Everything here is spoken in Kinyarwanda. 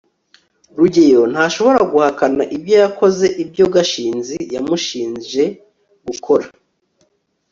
rugeyo ntashobora guhakana ko yakoze ibyo gashinzi yamushinje gukora